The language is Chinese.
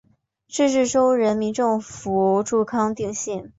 自治州人民政府驻康定县。